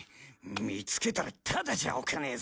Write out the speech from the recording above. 見つけたらただじゃおかねえぞ。